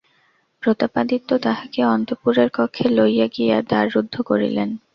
প্রতাপাদিত্য তাঁহাকে অন্তঃপুরের কক্ষে লইয়া গিয়া দ্বার রুদ্ধ করিলেন।